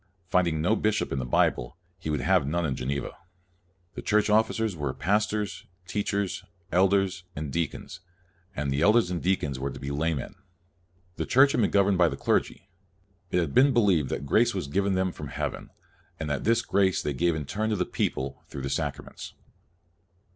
Finding no bishop in the Bible, he would have none in Geneva. The church officers were pastors, teachers, elders, and deacons, and the elders and deacons were to be lay CALVIN 113 men. The Church had been governed by the clergy. It had been believed that grace was given them from heaven, and that this grace they gave in turn to the people, through the sacraments.